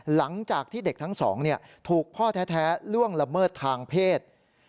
หลังจากที่เด็กทั้งสองถูกพ่อแท้ล่วงละเมิดทางเพศ